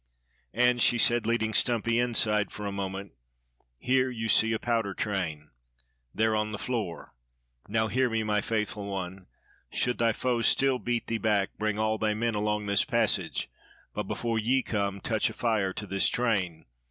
"And," she said, leading Stumpy inside for a moment, "here you see a powder train. There, on the floor. Now hear me, my faithful one, should thy foes still beat thee back, bring all thy men along this passage, but before ye come, touch a fire to this train.